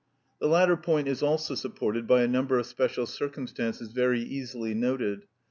The latter point is also supported by a number of special circumstances very easily noted.